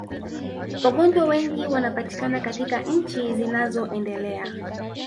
Wagonjwa wengi wanapatikana katika nchi zinazoendelea